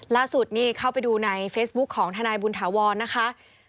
ล่าสุดนี่เข้าไปดูในเฟซบุ๊คของทนายบุญถาวรนะคะ